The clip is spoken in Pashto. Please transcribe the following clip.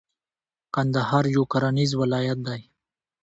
کندهار یو کرنیز ولایت دی.